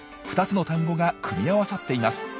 ２つの単語が組み合わさっています。